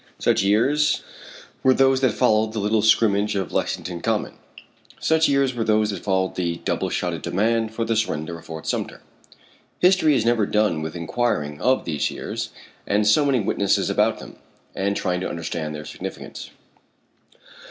Such years were those that followed the little scrimmage on Lexington Common. Such years were those that followed the double shotted demand for the surrender of Fort Sumter. History is never done with inquiring of these years, and summoning witnesses about them, and trying to understand their significance.